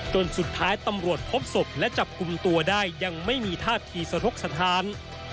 จนสุดท้ายตำรวจพบศพและจับกลุ่มตัวได้ยังไม่มีท่าทีสะทกสถาน